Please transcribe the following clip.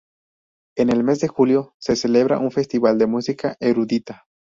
En el mes de julio, se celebra un festival de música erudita.